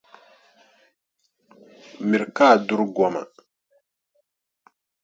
Miri ka a duri goma.